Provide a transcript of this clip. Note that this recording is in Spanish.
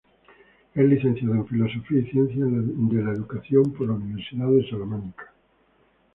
Es licenciado en Filosofía y Ciencias de la Educación por la Universidad de Salamanca.